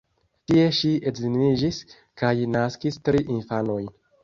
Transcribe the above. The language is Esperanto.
Tie ŝi edziniĝis kaj naskis tri infanojn.